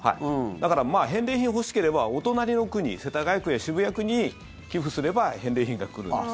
だから返礼品が欲しければお隣の区に世田谷区や渋谷区に寄付すれば返礼品が来るんです。